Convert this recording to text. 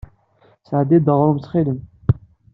Sɛeddi-iyi-d aɣrum ttxil-m.